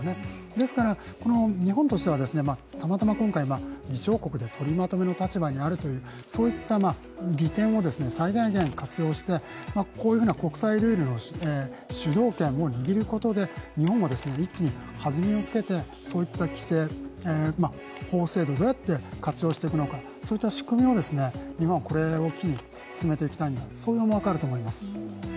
ですから、日本としてはたまたま今回、議長国で取りまとめの立場にあるというそういった利点を最大限活用して、こういうふうな国際ルールの主導権を握ることで日本が一気にはずみをつけて、そういった規制、法制度をどうやって活用していくのかそういった仕組みを日本はこれを機に進めていきたいんだ、そういう思惑があると思います。